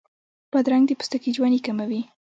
بادرنګ د پوستکي جوانۍ کموي.